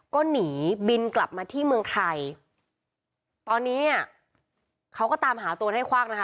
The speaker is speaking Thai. ก็หนีบินกลับมาที่เมืองไทยตอนนี้เนี่ยเขาก็ตามหาตัวได้ควักนะคะ